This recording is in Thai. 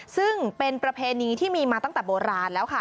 ซึ่งเป็นประเพณีที่มีมาตั้งแต่โบราณแล้วค่ะ